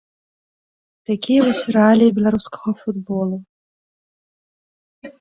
Такія вось рэаліі беларускага футболу.